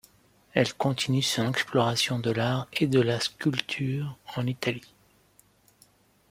Elle continue son exploration de l'art et de la sculpture en Italie.